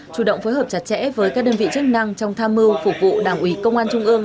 chủ động phối hợp chặt chẽ với các đơn vị chức năng trong tham mưu phục vụ đảng ủy công an trung ương